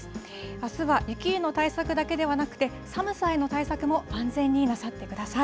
あすは雪への対策だけではなくて、寒さへの対策も万全になさってください。